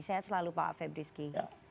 sehat selalu pak febriski